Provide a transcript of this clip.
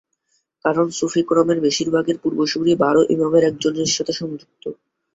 কারণ সুফী ক্রমের বেশিরভাগের পূর্বসূরী বারো ইমামের একজনের সাথে সংযুক্ত।